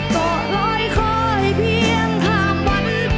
ต่อร้อยขอให้เพียงข้ามวัน